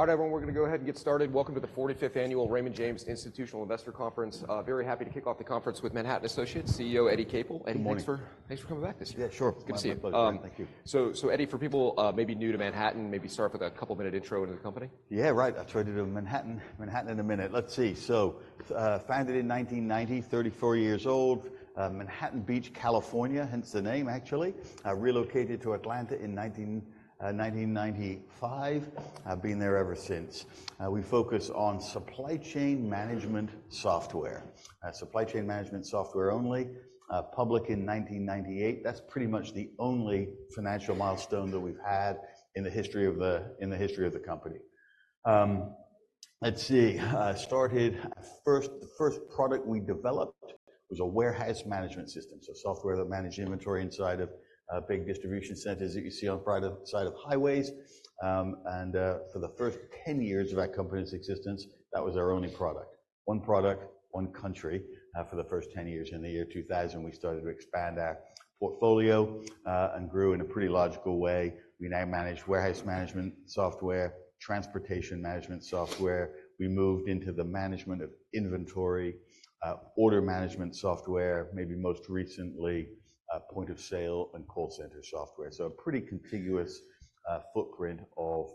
All right, everyone. We're going to go ahead and get started. Welcome to the 45th annual Raymond James Institutional Investor Conference. Very happy to kick off the conference with Manhattan Associates CEO Eddie Capel. Eddie, thanks for coming back this year. Yeah, sure. Good to see you. My pleasure. Thank you. So, Eddie, for people maybe new to Manhattan, maybe start with a couple-minute intro into the company. Yeah, right. I'll try to do Manhattan in a minute. Let's see. So founded in 1990, 34 years old. Manhattan Beach, California, hence the name, actually. Relocated to Atlanta in 1995. Been there ever since. We focus on supply chain management software. Supply chain management software only. Public in 1998. That's pretty much the only financial milestone that we've had in the history of the company. Let's see. Started first, the first product we developed was a warehouse management system. So software that managed inventory inside of big distribution centers that you see on the side of highways. And for the first 10 years of our company's existence, that was our only product. One product, one country for the first 10 years. In the year 2000, we started to expand our portfolio and grew in a pretty logical way. We now manage warehouse management software, transportation management software. We moved into the management of inventory, order management software, maybe most recently point of sale and call center software. So a pretty contiguous footprint of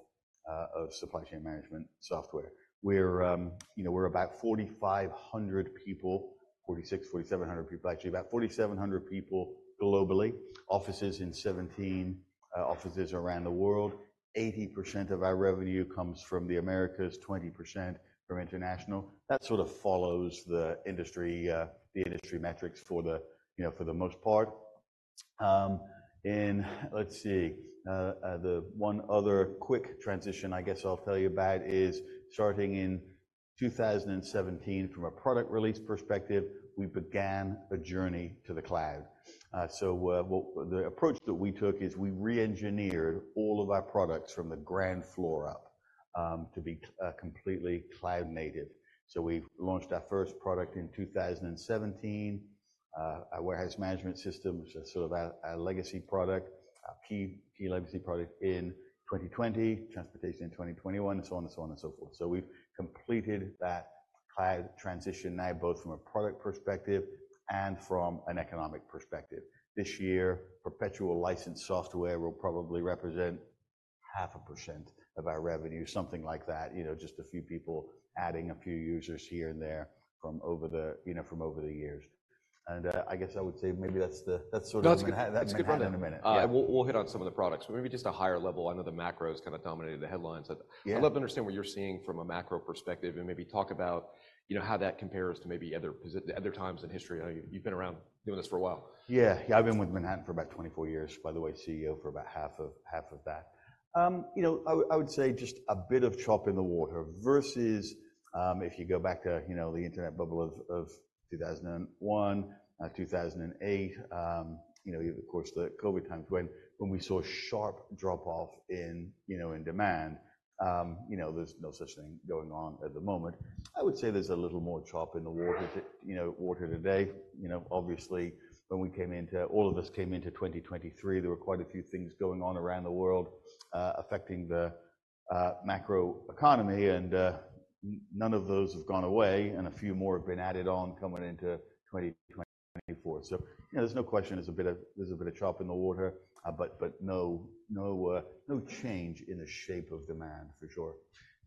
supply chain management software. We're about 4,500 people, 4,600, 4,700 people, actually, about 4,700 people globally. Offices in 17 offices around the world. 80% of our revenue comes from the Americas, 20% from international. That sort of follows the industry metrics for the most part. Let's see. The one other quick transition I guess I'll tell you about is starting in 2017, from a product release perspective, we began a journey to the cloud. So the approach that we took is we re-engineered all of our products from the ground floor up to be completely cloud-native. So we launched our first product in 2017, our warehouse management system, which is sort of our legacy product, our key legacy product in 2020, transportation in 2021, and so on and so on and so forth. So we've completed that cloud transition now both from a product perspective and from an economic perspective. This year, perpetual licensed software will probably represent 0.5% of our revenue, something like that, just a few people adding a few users here and there from over the years. And I guess I would say maybe that's sort of. That's a good run. That's good run in a minute. Yeah. We'll hit on some of the products. Maybe just a higher level. I know the macro's kind of dominated the headlines. I'd love to understand what you're seeing from a macro perspective and maybe talk about how that compares to maybe other times in history. I know you've been around doing this for a while. Yeah. Yeah. I've been with Manhattan for about 24 years, by the way, CEO for about half of that. I would say just a bit of chopping the water versus if you go back to the internet bubble of 2001, 2008, of course, the COVID times when we saw a sharp drop-off in demand. There's no such thing going on at the moment. I would say there's a little more chopping the water today. Obviously, when we came into all of us came into 2023, there were quite a few things going on around the world affecting the macroeconomy, and none of those have gone away, and a few more have been added on coming into 2024. So there's no question there's a bit of there's a bit of chopping the water, but no change in the shape of demand, for sure.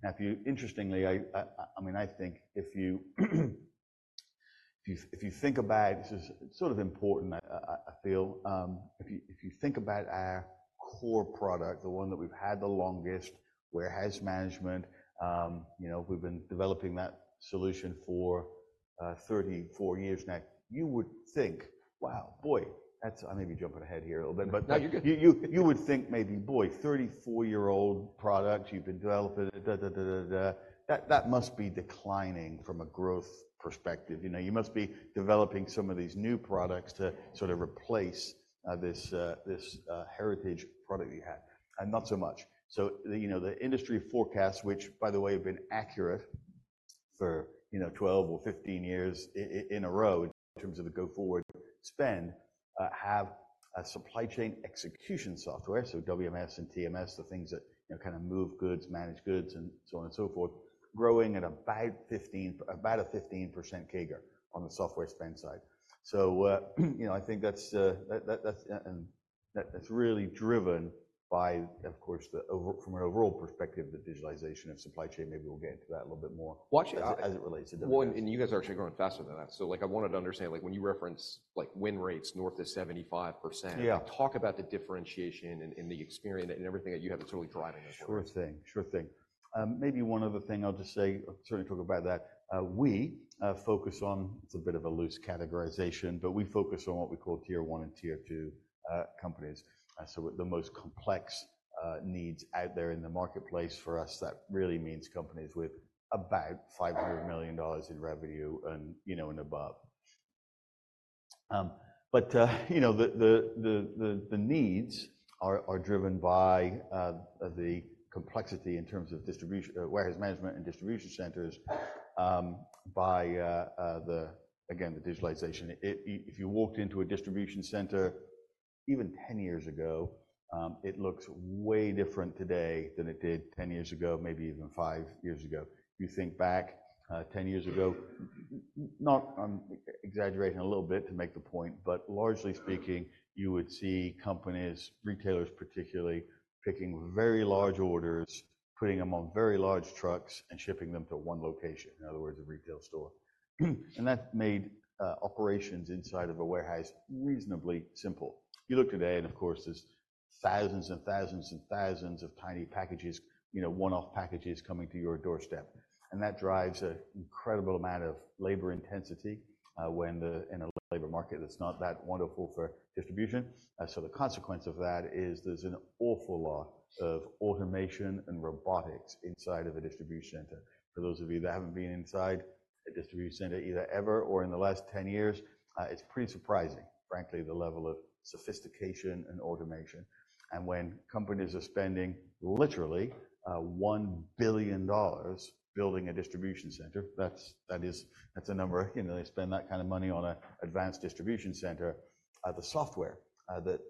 Now, interestingly, I mean, I think if you think about this is sort of important, I feel. If you think about our core product, the one that we've had the longest, warehouse management, we've been developing that solution for 34 years now. You would think, "Wow, boy." I may be jumping ahead here a little bit, but. No, you're good. You would think maybe, "Boy, 34-year-old product. You've been developing it. Da da da da da." That must be declining from a growth perspective. You must be developing some of these new products to sort of replace this heritage product you had, and not so much. So the industry forecasts, which, by the way, have been accurate for 12 or 15 years in a row in terms of the go-forward spend, have a supply chain execution software, so WMS and TMS, the things that kind of move goods, manage goods, and so on and so forth, growing at about a 15% CAGR on the software spend side. So I think that's really driven by, of course, from an overall perspective, the digitalization of supply chain. Maybe we'll get into that a little bit more as it relates to WMS. You guys are actually growing faster than that. I wanted to understand, when you reference win rates north of 75%, talk about the differentiation and the experience and everything that you have that's really driving this growth. Sure thing. Sure thing. Maybe one other thing I'll just say, certainly talk about that. We focus on; it's a bit of a loose categorization, but we focus on what we call Tier one and Tier two companies, so the most complex needs out there in the marketplace for us. That really means companies with about $500 million in revenue and above. But the needs are driven by the complexity in terms of warehouse management and distribution centers, again, the digitalization. If you walked into a distribution center even 10 years ago, it looks way different today than it did 10 years ago, maybe even five years ago. You think back 10 years ago, not, I'm exaggerating a little bit to make the point, but largely speaking, you would see companies, retailers particularly, picking very large orders, putting them on very large trucks, and shipping them to one location, in other words, a retail store. That made operations inside of a warehouse reasonably simple. You look today, and of course, there's thousands and thousands and thousands of tiny packages, one-off packages, coming to your doorstep. That drives an incredible amount of labor intensity in a labor market that's not that wonderful for distribution. The consequence of that is there's an awful lot of automation and robotics inside of a distribution center. For those of you that haven't been inside a distribution center either ever or in the last 10 years, it's pretty surprising, frankly, the level of sophistication and automation. When companies are spending literally $1 billion building a distribution center, that's a number. They spend that kind of money on an advanced distribution center. The software that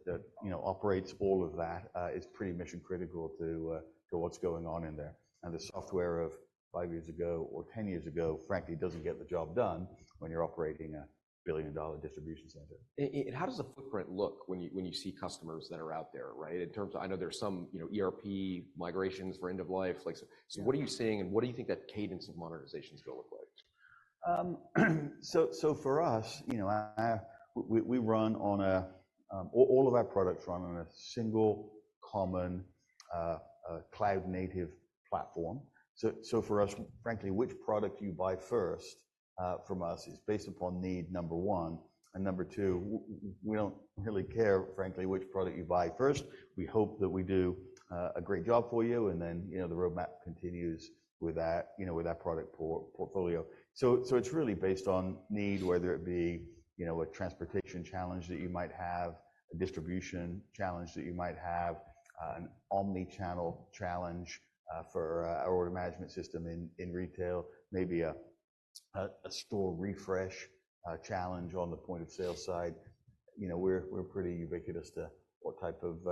operates all of that is pretty mission-critical to what's going on in there. The software of five years ago or 10 years ago, frankly, doesn't get the job done when you're operating a billion-dollar distribution center. How does the footprint look when you see customers that are out there, right, in terms of I know there's some ERP migrations for end-of-life? So what are you seeing, and what do you think that cadence of modernizations will look like? So for us, all of our products run on a single common cloud-native platform. So for us, frankly, which product you buy first from us is based upon need, number one. And number two, we don't really care, frankly, which product you buy first. We hope that we do a great job for you, and then the roadmap continues with that product portfolio. So it's really based on need, whether it be a transportation challenge that you might have, a distribution challenge that you might have, an omnichannel challenge for our order management system in retail, maybe a store refresh challenge on the point of sale side. We're pretty ubiquitous to what type of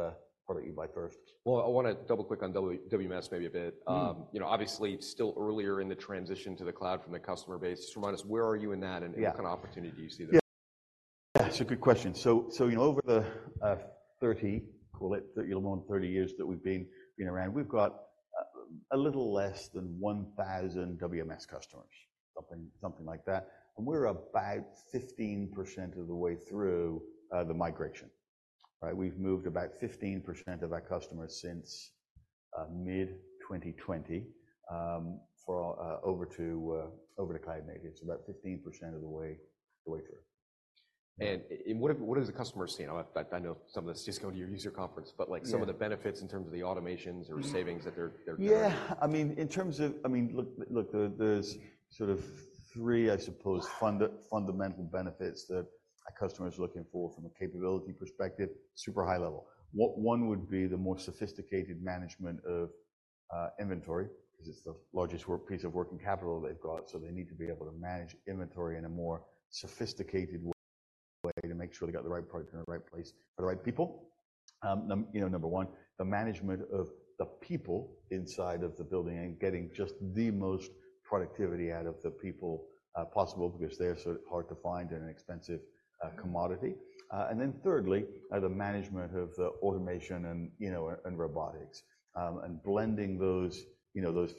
product you buy first. Well, I want to double-click on WMS maybe a bit. Obviously, still earlier in the transition to the cloud from the customer base. Just remind us, where are you in that, and what kind of opportunity do you see there? Yeah. It's a good question. So over the 30, call it, a little more than 30 years that we've been around, we've got a little less than 1,000 WMS customers, something like that. We're about 15% of the way through the migration, right? We've moved about 15% of our customers since mid-2020 over to cloud-native. It's about 15% of the way through. What have the customers seen? I know some of this is just going to your user conference, but some of the benefits in terms of the automations or savings that they're getting? Yeah. I mean, in terms of I mean, look, there's sort of three, I suppose, fundamental benefits that a customer is looking for from a capability perspective, super high-level. One would be the more sophisticated management of inventory because it's the largest piece of working capital they've got, so they need to be able to manage inventory in a more sophisticated way to make sure they got the right product in the right place for the right people. Number one, the management of the people inside of the building and getting just the most productivity out of the people possible because they're sort of hard to find and an expensive commodity. And then thirdly, the management of the automation and robotics and blending those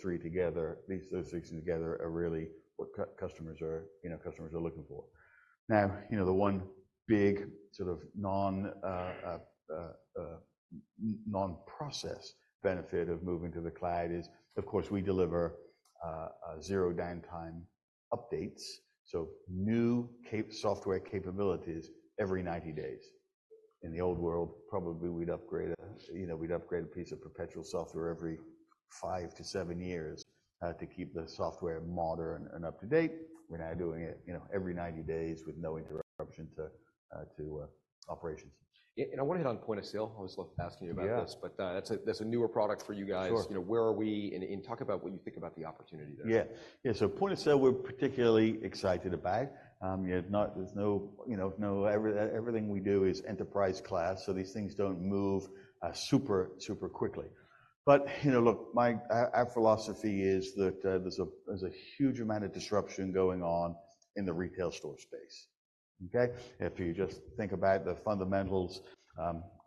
three together. Those three things together are really what customers are looking for. Now, the one big sort of non-process benefit of moving to the cloud is, of course, we deliver zero downtime updates, so new software capabilities every 90 days. In the old world, probably we'd upgrade a piece of perpetual software every five to seven years to keep the software modern and up-to-date. We're now doing it every 90 days with no interruption to operations. I want to hit on Point of Sale. I always love asking you about this, but that's a newer product for you guys. Where are we? Talk about what you think about the opportunity there. Yeah. Yeah. So point of sale, we're particularly excited about. Everything we do is enterprise-class, so these things don't move super, super quickly. But look, our philosophy is that there's a huge amount of disruption going on in the retail store space, okay? If you just think about the fundamentals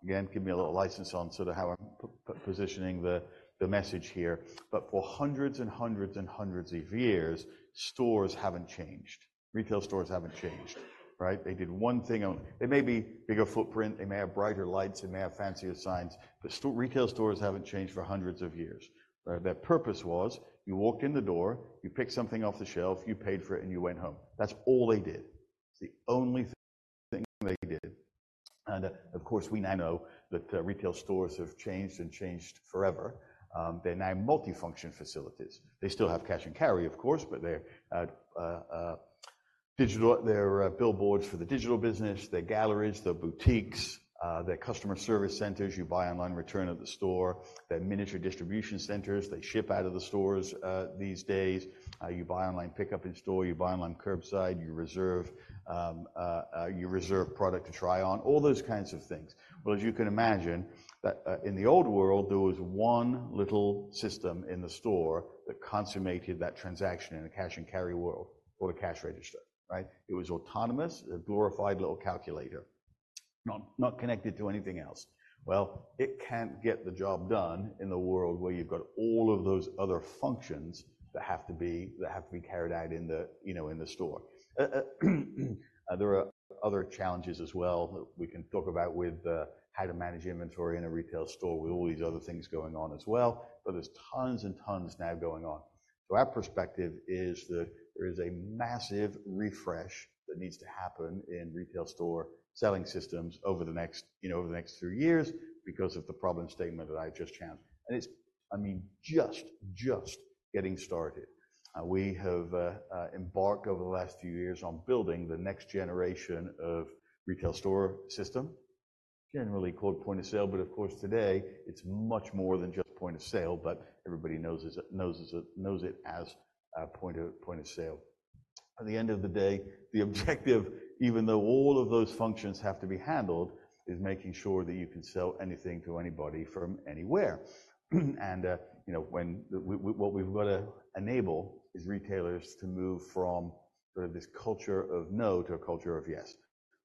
again, give me a little license on sort of how I'm positioning the message here. But for hundreds and hundreds and hundreds of years, stores haven't changed. Retail stores haven't changed, right? They did one thing only. They may be bigger footprint. They may have brighter lights. They may have fancier signs, but retail stores haven't changed for hundreds of years, right? Their purpose was you walked in the door, you picked something off the shelf, you paid for it, and you went home. That's all they did. It's the only thing they did. And of course, we now know that retail stores have changed and changed forever. They're now multifunction facilities. They still have cash and carry, of course, but they're billboards for the digital business. They're galleries. They're boutiques. They're customer service centers. You buy online return at the store. They're miniature distribution centers. They ship out of the stores these days. You buy online pickup in store. You buy online curbside. You reserve product to try on, all those kinds of things. Well, as you can imagine, in the old world, there was one little system in the store that consummated that transaction in a cash and carry world called a cash register, right? It was autonomous, a glorified little calculator, not connected to anything else. Well, it can't get the job done in the world where you've got all of those other functions that have to be carried out in the store. There are other challenges as well that we can talk about with how to manage inventory in a retail store with all these other things going on as well, but there's tons and tons now going on. So our perspective is that there is a massive refresh that needs to happen in retail store selling systems over the next few years because of the problem statement that I just chanced. And it's, I mean, just, just getting started. We have embarked over the last few years on building the next generation of retail store system, generally called Point of Sale. But of course, today, it's much more than just point of sale, but everybody knows it as point of sale. At the end of the day, the objective, even though all of those functions have to be handled, is making sure that you can sell anything to anybody from anywhere. And what we've got to enable is retailers to move from sort of this culture of no to a culture of yes.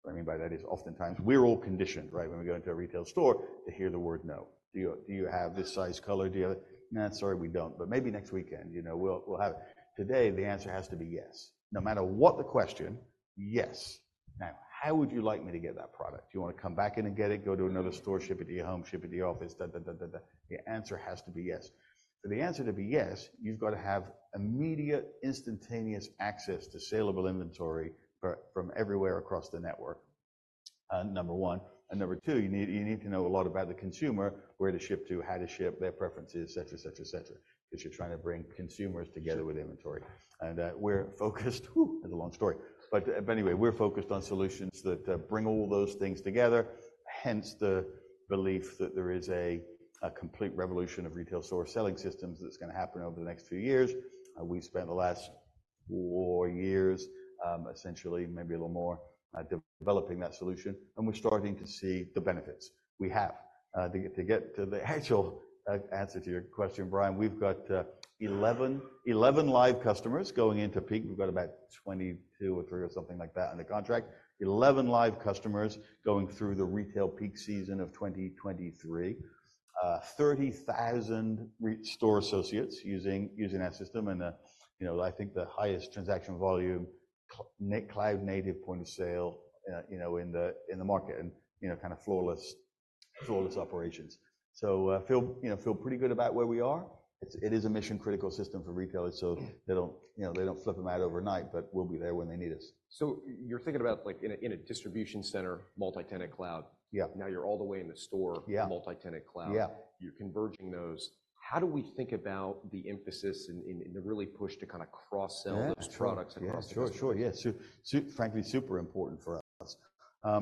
What I mean by that is oftentimes, we're all conditioned, right, when we go into a retail store to hear the word no. "Do you have this size, color? Do you have it?" "Nah, sorry, we don't. But maybe next weekend, we'll have it." Today, the answer has to be yes, no matter what the question, yes. Now, how would you like me to get that product? Do you want to come back in and get it, go to another store, ship it to your home, ship it to your office, da da da da da? The answer has to be yes. For the answer to be yes, you've got to have immediate, instantaneous access to saleable inventory from everywhere across the network, number one. And number two, you need to know a lot about the consumer, where to ship to, how to ship, their preferences, etc., etc., etc., because you're trying to bring consumers together with inventory. And we're focused. That's a long story. But anyway, we're focused on solutions that bring all those things together, hence the belief that there is a complete revolution of retail store selling systems that's going to happen over the next few years. We've spent the last four years, essentially, maybe a little more, developing that solution, and we're starting to see the benefits we have. To get to the actual answer to your question, Brian, we've got 11 live customers going into peak. We've got about 22 or three or something like that on the contract, 11 live customers going through the retail peak season of 2023, 30,000 store associates using our system, and I think the highest transaction volume, cloud-native point of sale in the market, and kind of flawless operations. So I feel pretty good about where we are. It is a mission-critical system for retailers, so they don't flip them out overnight, but we'll be there when they need us. So you're thinking about in a distribution center, multi-tenant cloud. Now, you're all the way in the store, multi-tenant cloud. You're converging those. How do we think about the emphasis and the really push to kind of cross-sell those products across the business? Yeah. Sure. Sure. Yeah. Frankly, super important for us. I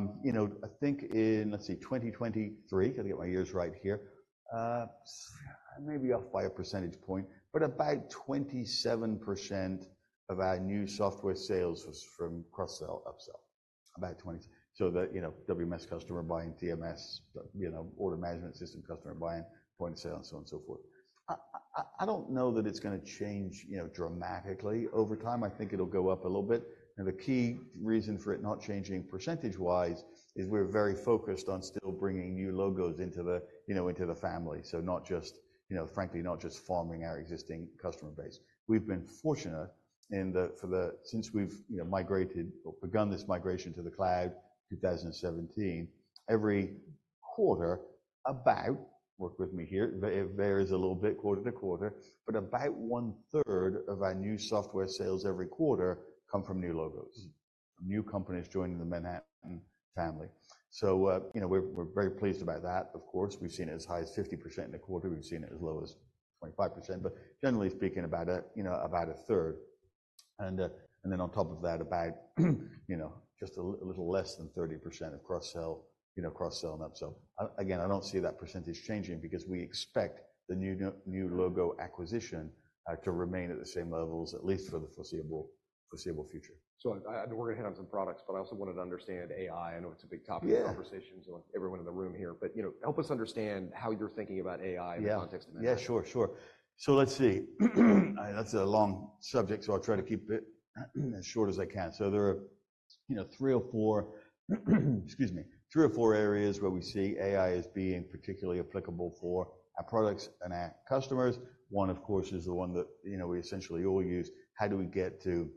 think in, let's see, 2023, got to get my years right here, maybe off by a percentage point, but about 27% of our new software sales was from cross-sell, upsell, about 20%. So the WMS customer buying, TMS, order management system customer buying, point of sale, and so on and so forth. I don't know that it's going to change dramatically over time. I think it'll go up a little bit. And the key reason for it not changing percentage-wise is we're very focused on still bringing new logos into the family, so frankly, not just farming our existing customer base. We've been fortunate for the since we've migrated or begun this migration to the cloud, 2017, every quarter, about work with me here. It varies a little bit quarter-to-quarter, but about one-third of our new software sales every quarter come from new logos, from new companies joining the Manhattan family. So we're very pleased about that, of course. We've seen it as high as 50% in a quarter. We've seen it as low as 25%, but generally speaking, about a third. And then on top of that, about just a little less than 30% of cross-sell and upsell. Again, I don't see that percentage changing because we expect the new logo acquisition to remain at the same levels, at least for the foreseeable future. We're going to hit on some products, but I also wanted to understand AI. I know it's a big topic of conversation to everyone in the room here, but help us understand how you're thinking about AI in the context of Manhattan? Yeah. Yeah. Sure. Sure. So let's see. That's a long subject, so I'll try to keep it as short as I can. So there are three or four, excuse me, three or four areas where we see AI as being particularly applicable for our products and our customers. One, of course, is the one that we essentially all use. How do we get to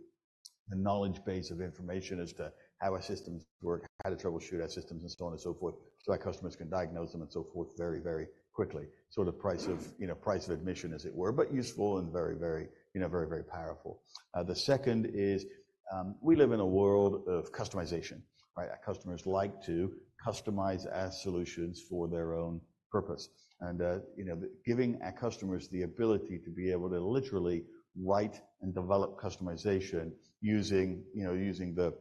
the knowledge base of information as to how our systems work, how to troubleshoot our systems, and so on and so forth so our customers can diagnose them and so forth very, very quickly, sort of price of admission, as it were, but useful and very, very, very, very powerful. The second is we live in a world of customization, right? Our customers like to customize our solutions for their own purpose. And giving our customers the ability to be able to literally write and develop customization using the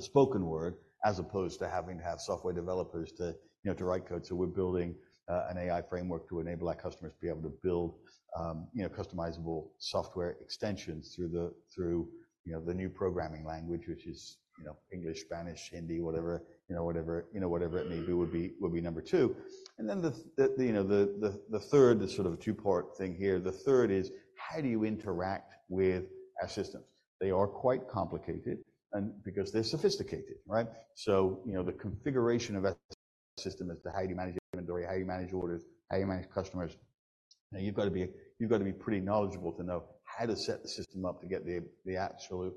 spoken word as opposed to having to have software developers to write code. So we're building an AI framework to enable our customers to be able to build customizable software extensions through the new programming language, which is English, Spanish, Hindi, whatever, whatever it may be, would be number two. And then the third, the sort of two-part thing here, the third is how do you interact with our systems? They are quite complicated because they're sophisticated, right? So the configuration of our system as to how do you manage inventory, how do you manage orders, how do you manage customers, now, you've got to be you've got to be pretty knowledgeable to know how to set the system up to get the absolute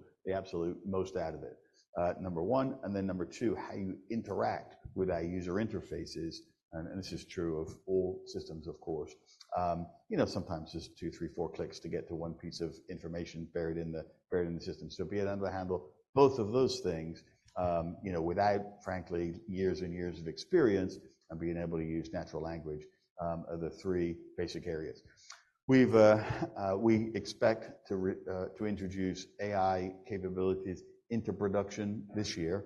most out of it, number one. Then Number 2, how you interact with our user interfaces. And this is true of all systems, of course. Sometimes it's two, three, four clicks to get to one piece of information buried in the system. So be it under the handle, both of those things, without, frankly, years and years of experience and being able to use natural language, are the three basic areas. We expect to introduce AI capabilities into production this year.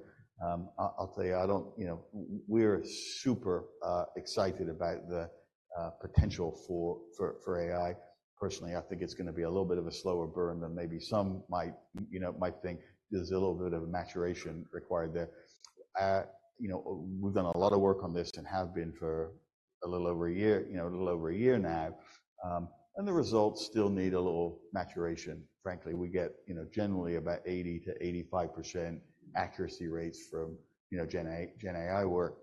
I'll tell you, I don't, we're super excited about the potential for AI. Personally, I think it's going to be a little bit of a slower burn than maybe some might think. There's a little bit of maturation required there. We've done a lot of work on this and have been for a little over a year, a little over a year now. The results still need a little maturation. Frankly, we get generally about 80%-85% accuracy rates from Gen AI work.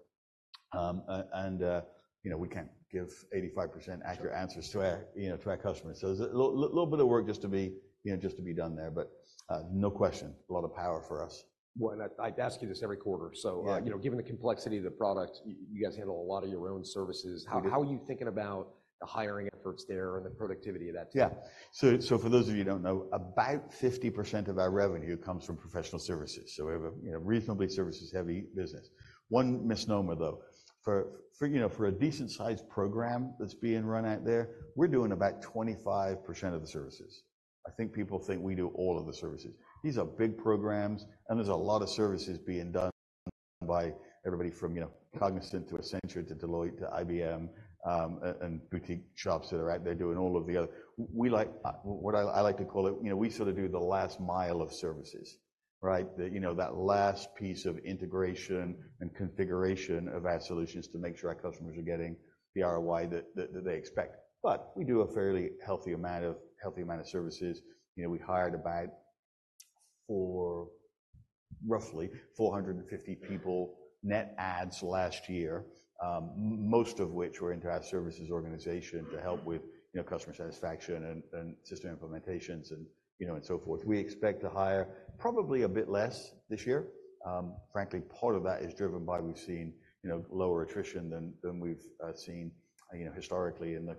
We can't give 85% accurate answers to our customers. There's a little bit of work just to be done there, but no question, a lot of power for us. Well, I'd ask you this every quarter. Given the complexity of the product, you guys handle a lot of your own services. How are you thinking about the hiring efforts there and the productivity of that team? Yeah. So for those of you who don't know, about 50% of our revenue comes from professional services. So we have a reasonably services-heavy business. One misnomer, though. For a decent-sized program that's being run out there, we're doing about 25% of the services. I think people think we do all of the services. These are big programs, and there's a lot of services being done by everybody from Cognizant to Accenture to Deloitte to IBM and boutique shops that are out there doing all of the other. What I like to call it, we sort of do the last mile of services, right? That last piece of integration and configuration of our solutions to make sure our customers are getting the ROI that they expect. But we do a fairly healthy amount of services. We hired about roughly 450 people net adds last year, most of which were into our services organization to help with customer satisfaction and system implementations and so forth. We expect to hire probably a bit less this year. Frankly, part of that is driven by we've seen lower attrition than we've seen historically in the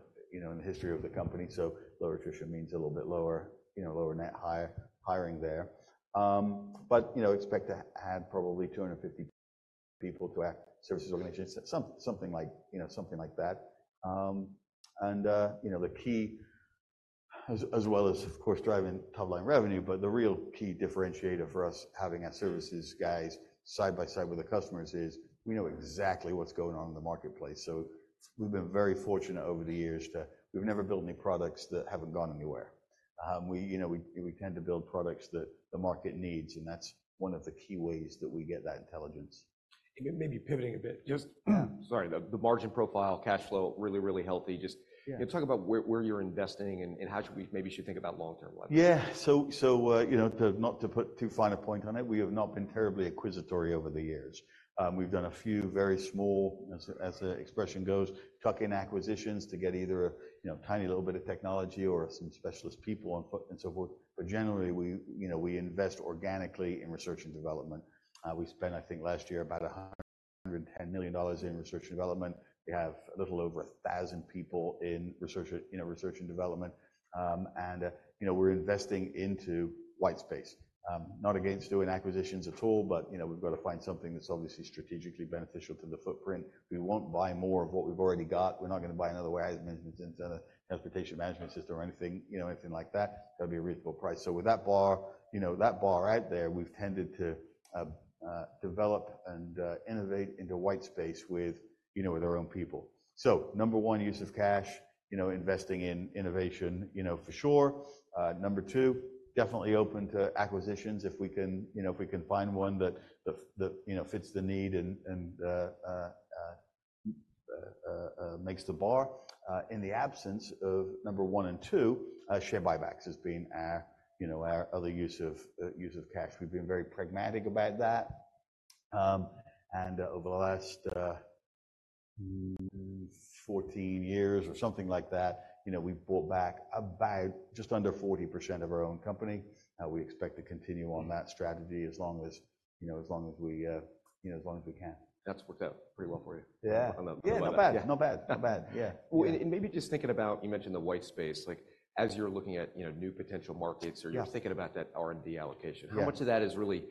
history of the company. So lower attrition means a little bit lower, lower net, higher hiring there. But expect to add probably 250 people to our services organization, something like that. And the key, as well as, of course, driving top-line revenue, but the real key differentiator for us having our services guys side by side with the customers is we know exactly what's going on in the marketplace. So we've been very fortunate over the years to we've never built any products that haven't gone anywhere. We tend to build products that the market needs, and that's one of the key ways that we get that intelligence. Maybe pivoting a bit, just sorry, the margin profile, cash flow, really, really healthy. Just talk about where you're investing and how maybe you should think about long-term levels. Yeah. So not to put too fine a point on it, we have not been terribly acquisitory over the years. We've done a few very small, as the expression goes, tuck-in acquisitions to get either a tiny little bit of technology or some specialist people and so forth. But generally, we invest organically in research and development. We spent, I think, last year about $110 million in research and development. We have a little over 1,000 people in research and development. And we're investing into white space, not against doing acquisitions at all, but we've got to find something that's obviously strategically beneficial to the footprint. We won't buy more of what we've already got. We're not going to buy another way out of transportation management system or anything like that. It's got to be a reasonable price. So with that bar out there, we've tended to develop and innovate into white space with our own people. So number 1, use of cash, investing in innovation for sure. Number 2, definitely open to acquisitions if we can find one that fits the need and makes the bar. In the absence of Number 1 and 2, share buybacks has been our other use of cash. We've been very pragmatic about that. And over the last 14 years or something like that, we've bought back just under 40% of our own company. We expect to continue on that strategy as long as we can. That's worked out pretty well for you. Yeah. Yeah. Not bad. Not bad. Not bad. Yeah. Well, and maybe just thinking about you mentioned the white space. As you're looking at new potential markets or you're thinking about that R&D allocation, how much of that is really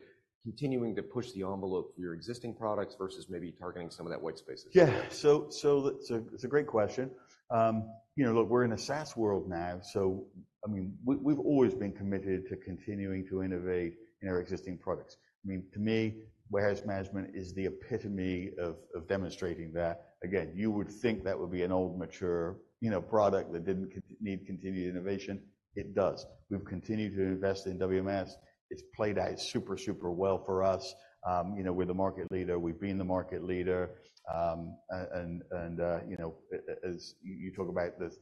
continuing to push the envelope for your existing products versus maybe targeting some of that white space as well? Yeah. So it's a great question. Look, we're in a SaaS world now. So I mean, we've always been committed to continuing to innovate in our existing products. I mean, to me, warehouse management is the epitome of demonstrating that. Again, you would think that would be an old, mature product that didn't need continued innovation. It does. We've continued to invest in WMS. It's played out super, super well for us. We're the market leader. We've been the market leader. And as you talk about this,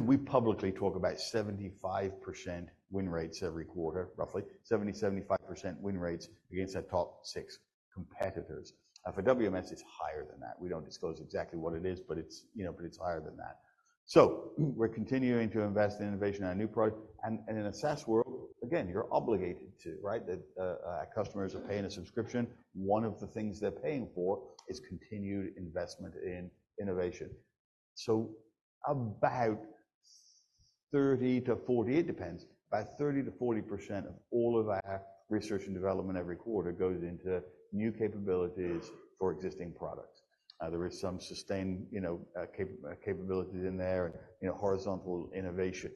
we publicly talk about 75% win rates every quarter, roughly 70%-75% win rates against our top six competitors. For WMS, it's higher than that. We don't disclose exactly what it is, but it's higher than that. So we're continuing to invest in innovation in our new product. And in a SaaS world, again, you're obligated to, right? Our customers are paying a subscription. One of the things they're paying for is continued investment in innovation. So about 30-40, it depends, about 30%-40% of all of our research and development every quarter goes into new capabilities for existing products. There is some sustained capabilities in there and horizontal innovation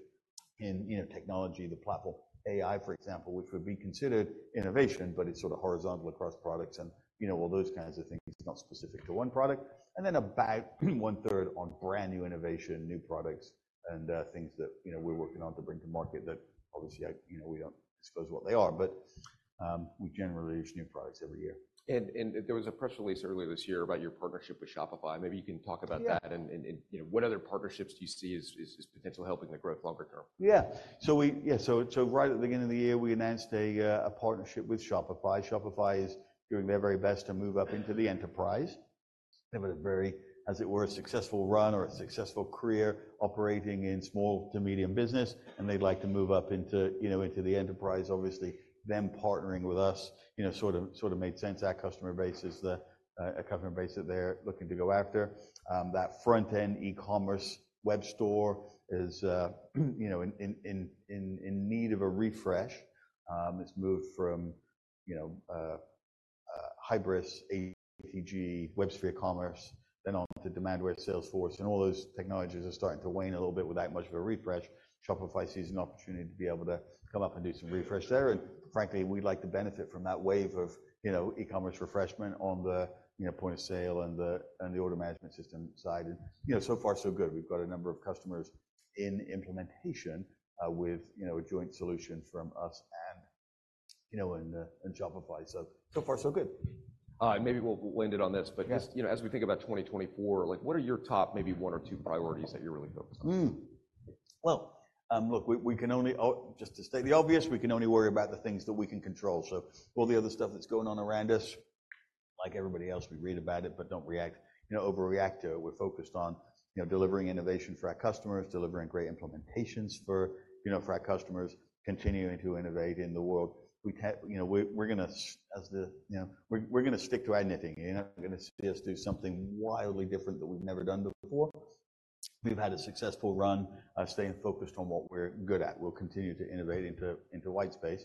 in technology, the platform, AI, for example, which would be considered innovation, but it's sort of horizontal across products and all those kinds of things. It's not specific to one product. And then about one-third on brand new innovation, new products, and things that we're working on to bring to market that obviously, we don't disclose what they are, but we generally issue new products every year. There was a press release earlier this year about your partnership with Shopify. Maybe you can talk about that and what other partnerships do you see as potentially helping the growth longer term? Yeah. So yeah. So right at the beginning of the year, we announced a partnership with Shopify. Shopify is doing their very best to move up into the enterprise. They've had a very, as it were, successful run or a successful career operating in small to medium business, and they'd like to move up into the enterprise. Obviously, them partnering with us sort of made sense. Our customer base is the customer base that they're looking to go after. That front-end e-commerce web store is in need of a refresh. It's moved from Hybris, ATG, WebSphere Commerce, then on to Demandware Salesforce. And all those technologies are starting to wane a little bit without much of a refresh. Shopify sees an opportunity to be able to come up and do some refresh there. Frankly, we'd like to benefit from that wave of e-commerce refreshment on the Point of Sale and the Order Management System side. So far, so good. We've got a number of customers in implementation with a joint solution from us and Shopify. So far, so good. All right. Maybe we'll land it on this, but just as we think about 2024, what are your top maybe one or two priorities that you're really focused on? Well, look, we can only just to state the obvious, we can only worry about the things that we can control. So all the other stuff that's going on around us, like everybody else, we read about it but don't overreact to it. We're focused on delivering innovation for our customers, delivering great implementations for our customers, continuing to innovate in the world. We're going to stick to our knitting. You're not going to see us do something wildly different that we've never done before. We've had a successful run staying focused on what we're good at. We'll continue to innovate into white space.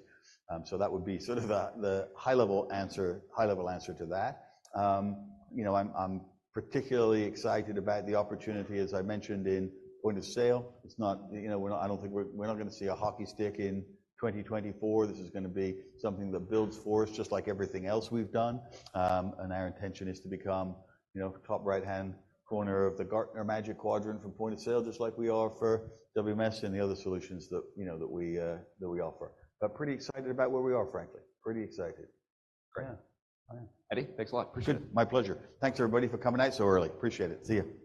So that would be sort of the high-level answer to that. I'm particularly excited about the opportunity, as I mentioned, in point of sale. I don't think we're not going to see a hockey stick in 2024. This is going to be something that builds for us just like everything else we've done. Our intention is to become top right-hand corner of the Gartner Magic Quadrant for point of sale just like we are for WMS and the other solutions that we offer. Pretty excited about where we are, frankly. Pretty excited. Yeah. Eddie, thanks a lot. Appreciate it. My pleasure. Thanks, everybody, for coming out so early. Appreciate it. See you.